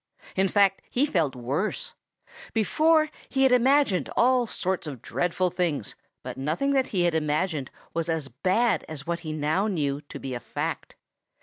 In fact, he felt worse. Before, he had imagined all sorts of dreadful things, but nothing that he had imagined was as bad as what he now knew to be a fact.